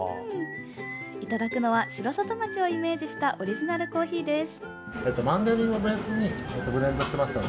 いただくのは城里町をイメージしたオリジナルコーヒーです。